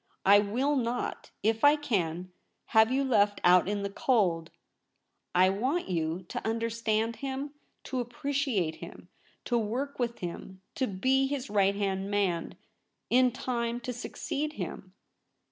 I will not, if I can, have you left out in the cold. I want you to understand him — to appreciate him — to work with him — to be his right hand VOL. I. 16 242 THE REBEL ROSE. man — in time to succeed him.